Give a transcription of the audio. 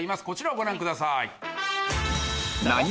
こちらをご覧ください。